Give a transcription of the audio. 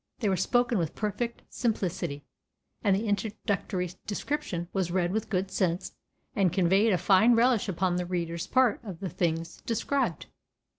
They were spoken with perfect simplicity, and the introductory description was read with good sense, and conveyed a fine relish upon the reader's part of the things described.